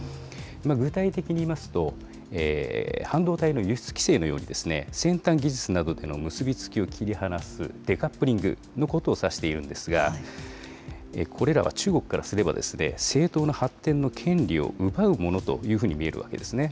具体的にいいますと、半導体の輸出規制のように、先端技術などでの結び付きを切り離すデカップリングのことを指しているんですが、これらは中国からすれば、正当な発展の権利を奪うものというふうに見えるわけですね。